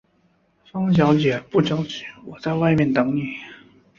方小姐，不着急，我在外面等妳。